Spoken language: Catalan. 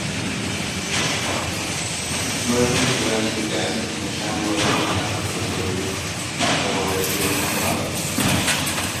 No és un silenci tens ni sembla destinat a precedir cap revelació inesperada.